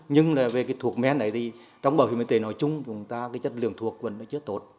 nhưng là về cái thuốc men này thì trong bảo hiểm y tế nói chung chúng ta cái chất lượng thuộc vẫn chưa tốt